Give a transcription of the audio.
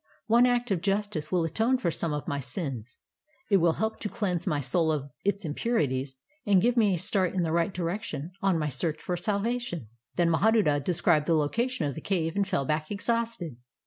One act of justice will atone for some of my sins; it will help to cleanse my soul of its impurities and give me a start in the right direction on my search for salvation." Then Mahaduta described the location of the cave and fell back exhausted.